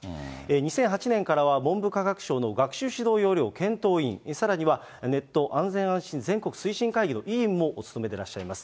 ２００８年からは文部科学省の学習指導要領検討委員、さらにはネット安全安心全国推進会議の委員もお務めでいらっしゃいます。